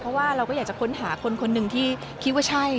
เพราะว่าเราก็อยากจะค้นหาคนหนึ่งที่คิดว่าใช่